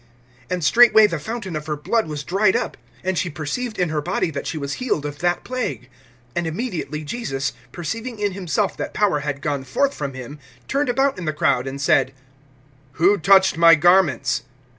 (29)And straightway the fountain of her blood was dried up; and she perceived in her body that she was healed of that plague. (30)And immediately Jesus, perceiving in himself that power had gone forth from him, turned about in the crowd, and said: Who touched my garments?